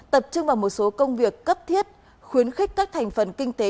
tập trung vào một số công việc cấp thiết khuyến khích các thành phần kinh tế